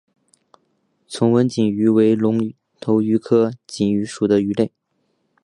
纵纹锦鱼为隆头鱼科锦鱼属的鱼类。